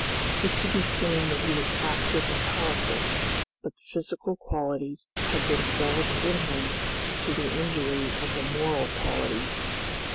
It could be seen that he was active and powerful, but the physical qualities had been developed in him to the injury of the moral qualities.